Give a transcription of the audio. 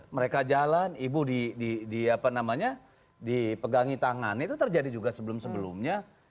mereka jalan ibu di apa namanya dipegangi tangan itu terjadi juga sebelum sebelumnya